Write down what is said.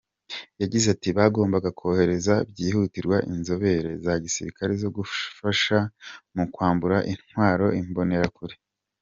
Yagize ati “Bagomba kohereza byihutirwa inzobere za gisirikare zo gufasha mu kwambura intwaro Imbonerakure.